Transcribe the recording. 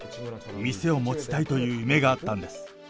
店を持ちたいという夢があったんです。